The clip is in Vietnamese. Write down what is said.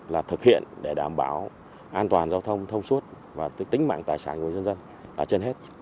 là thực hiện để đảm bảo an toàn giao thông thông suốt và tính mạng tài sản của nhân dân là trên hết